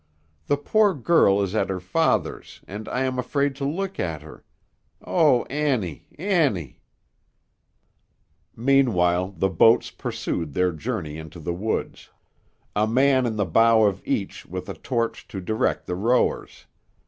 The poor girl is at her father's, and I am afraid to look at her. O Annie, Annie!" Meanwhile the boats pursued their journey into the woods; a man in the bow of each with a torch to direct the rowers.